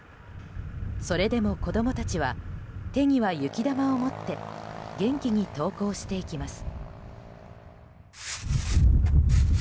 それでも子供たちは手には雪玉を持って元気に登校していきます。